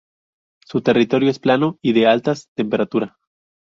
Su territorio es plano y de altas temperatura.